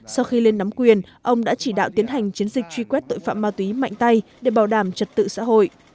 sau khi lên nắm quyền ông đã chỉ đạo tiến hành chiến dịch truy quét tội phạm ma túy mạnh tay để bảo đảm trật tự xã hội